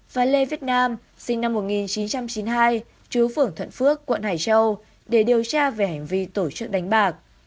và lê việt nam sinh năm một nghìn chín trăm chín mươi hai chú phưởng thuận phước quận hải châu để điều tra về hành vi tổ chức đánh bạc